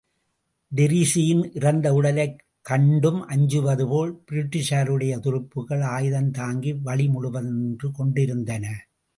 டிரீஸியின் இறந்த உடலைக் கண்டும் அஞ்சுவது போல், பிரிட்டிஷாருடைய துருப்புக்கள் ஆயுதம்தாங்கி வழிமுழுவதும் நின்று கொண்டிருந்தன.